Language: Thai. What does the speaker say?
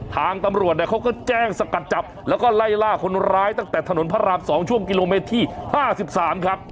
ทางตำรวจเนี่ยเขาก็แจ้งสกัดจับแล้วก็ไล่ล่าคนร้ายตั้งแต่ถนนพระราม๒ช่วงกิโลเมตรที่๕๓ครับ